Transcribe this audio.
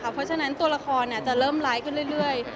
เพราะฉะนั้นตัวละครจะเริ่มร้ายขึ้นเรื่อย